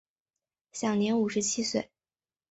享年五十七岁。